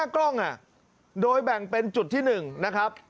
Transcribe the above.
๕กล้องโดยแบ่งเป็นจุดที่๑นะครับ